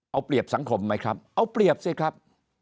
เอาเปรียบสังคมไหมครับเอาเปรียบสิครับ